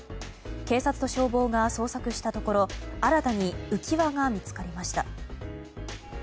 警察と消防が捜索したところ新たに浮き輪が見つかりました。